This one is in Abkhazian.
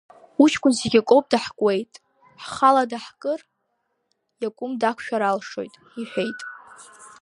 Уҷкәын зегьакоуп даҳкуеит, ҳхала даҳкыр, иакәым дақәшәар алшоит иҳәеит.